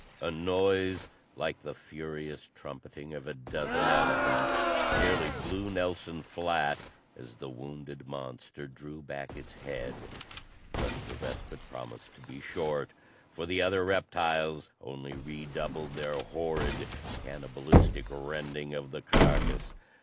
A noise like the furious trumpeting of a dozen elephants nearly blew Nelson flat as the wounded monster drew back its head, but the respite promised to be short, for the other reptiles only re doubled their horrid, cannibalistic rending of the carcass.